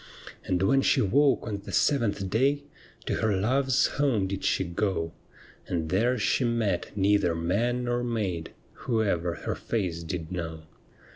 And when she woke on the seventh day, To her love's home did she go, And there she met neither man nor maid Who ever her face did know.